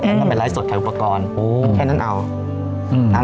อืมก็ไปไลฟ์สดขายอุปกรณ์โอ้แค่นั้นเอาอืม